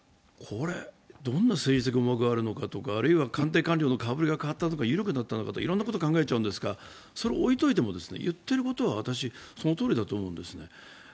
どんな政策があるのかとか、あるいは官邸官僚の顔ぶれが変わったとか、緩くなったとかいろんなことを考えちゃうんですが、それを置いといても言っていることはその通りだと思うんですね。